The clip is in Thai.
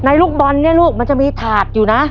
ลูกบอลเนี่ยลูกมันจะมีถาดอยู่นะ